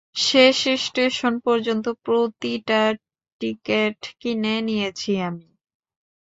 শেষ স্টেশন পর্যন্ত প্রতিটা টিকেট কিনে নিয়েছি আমি।